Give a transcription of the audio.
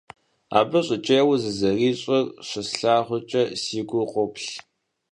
Абы щӀыкӀейуэ зэрызищӀыр щыслъагъукӀэ, си гур къоплъ.